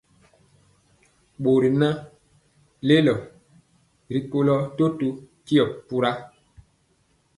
Bori y naŋ lelo rikolo totó tio pura.